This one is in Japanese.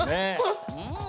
うん。